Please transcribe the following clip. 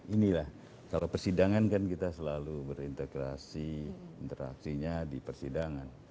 inilah kalau persidangan kan kita selalu berintegrasi interaksinya di persidangan